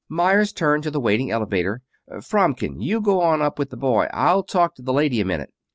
Meyers turned to the waiting elevator. "Fromkin, you go on up with the boy; I'll talk to the lady a minute."